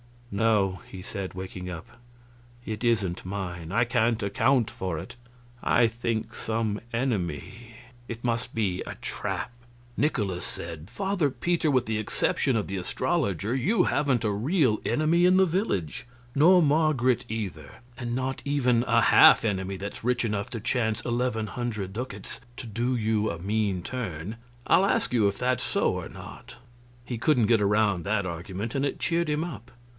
"No," he said, waking up, "it isn't mine. I can't account for it. I think some enemy... it must be a trap." Nikolaus said: "Father Peter, with the exception of the astrologer you haven't a real enemy in the village nor Marget, either. And not even a half enemy that's rich enough to chance eleven hundred ducats to do you a mean turn. I'll ask you if that's so or not?" He couldn't get around that argument, and it cheered him up.